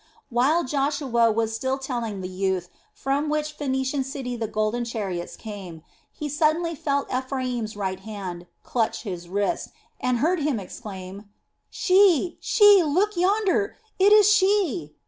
While Joshua was still telling the youth from which Phoenician city the golden chariots came, he suddenly felt Ephraim's right hand clutch his wrist, and heard him exclaim: "She! She! Look yonder! It is she!"